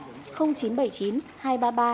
để được giải quyết